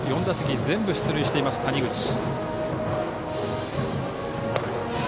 ４打席全部出塁しています谷口。